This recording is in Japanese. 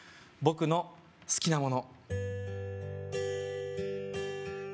「僕の好きなもの」